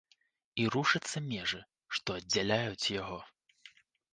І рушацца межы, што аддзяляюць яго.